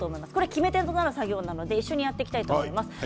決め手の作業なので一緒にやっていきたいと思います。